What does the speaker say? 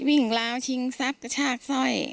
วิ่งราวชิงซับกระชากซ่อย